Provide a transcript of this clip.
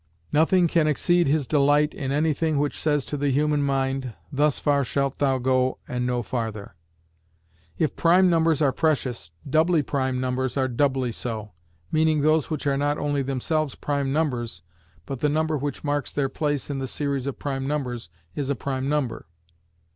Nothing can exceed his delight in anything which says to the human mind, Thus far shalt thou go and no farther. If prime numbers are precious, doubly prime numbers are doubly so; meaning those which are not only themselves prime numbers, but the number which marks their place in the series of prime numbers is a prime number.